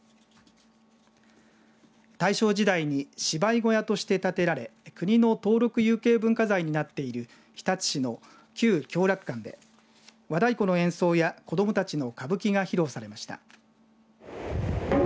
大正時代に芝居小屋として建てられ国の登録有形文化財になっている日立市の旧共楽館で和太鼓の演奏や子どもたちの歌舞伎が披露されました。